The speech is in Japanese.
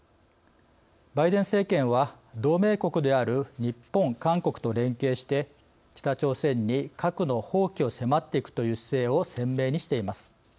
バイデン政権は同盟国である日本韓国と連携して北朝鮮に核の放棄を迫っていくという姿勢を鮮明にしています。